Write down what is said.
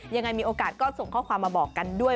ยังไงมีโอกาสก็ส่งข้อความมาบอกกันด้วย